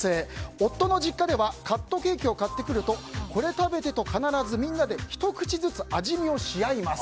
夫の実家ではカットケーキを買ってくるとこれ食べてと必ずみんなでひと口ずつ味見をし合います。